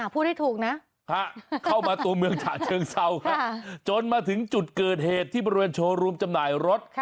พูดให้ถูกนะเข้ามาตัวเมืองฉะเชิงเศร้าจนมาถึงจุดเกิดเหตุที่บริเวณโชว์รูมจำหน่ายรถ